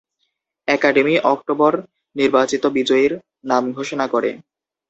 Academy October নির্বাচিত বিজয়ীর নাম ঘোষণা করে।